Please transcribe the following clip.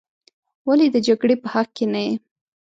ولې د جګړې په حق کې نه یې.